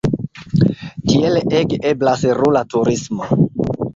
Tiele ege eblas rura turismo.